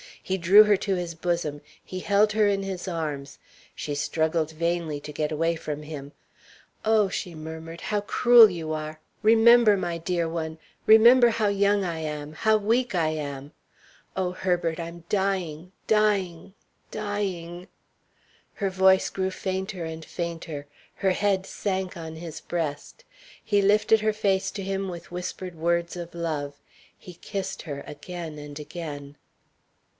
He drew her to his bosom; he held her in his arms; she struggled vainly to get away from him. "Oh," she murmured, "how cruel you are! Remember, my dear one, remember how young I am, how weak I am. Oh, Herbert, I'm dying dying dying!" Her voice grew fainter and fainter; her head sank on his breast. He lifted her face to him with whispered words of love. He kissed her again and again.